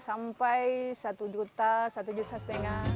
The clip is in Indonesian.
sampai rp satu juta rp satu lima ratus